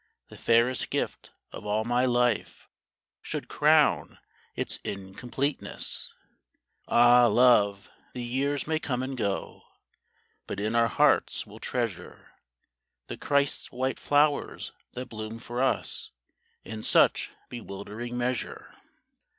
The fairest gift of all my life Should crown its incompleteness ! Ah, love ! the years may come and go, But in our hearts we '11 treasure The Christ's white flowers that bloom for us In such bewildering measure. 40 CHRISTMASTIDE.